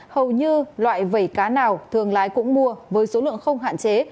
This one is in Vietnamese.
hầu như loại vẩy cá nào thường lái cũng mua với số lượng không hạn chế